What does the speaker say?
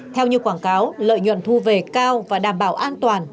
theo như quảng cáo lợi nhuận thu về cao và đảm bảo an toàn